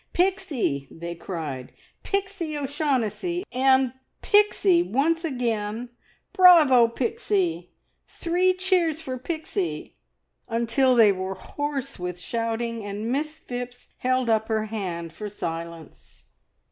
"Pixie!" they cried, "Pixie O'Shaughnessy!" and "Pixie!" once again, "Bravo, Pixie!" "Three cheers for Pixie!" until they were hoarse with shouting, and Miss Phipps held up her hand for silence.